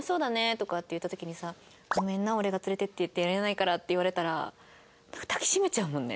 とかって言った時にさ「ごめんな俺が連れていってやれないから」って言われたら抱き締めちゃうもんね。